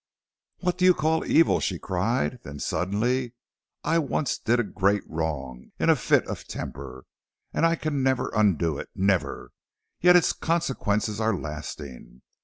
"What do you call evil?" she cried. Then suddenly, "I once did a great wrong in a fit of temper and I can never undo it, never, yet its consequences are lasting.